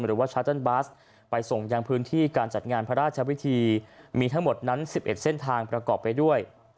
หรือว่าชาเติ้ลบัสไปส่งยังพื้นที่การจัดงานพระราชวิธีมีทั้งหมดนั้น๑๑เส้นทางประกอบไปด้วย